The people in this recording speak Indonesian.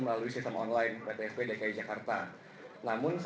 mbak ada kepinginan bahwa dipekerjakan